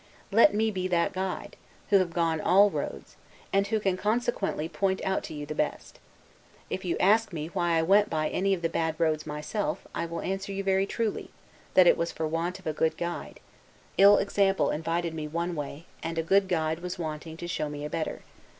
Let me be that guide; who have gone all roads, and who can consequently point out to you the best. If you ask me why I went any of the bad roads myself, I will answer you very truly, That it was for want of a good guide: ill example invited me one way, and a good guide was wanting to show me a better.